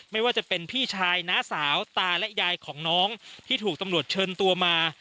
ไม่ว่าจะเป็นพี่ชายน้าสาวตาและยายของน้องที่ถูกตำรวจเชิญตัวมา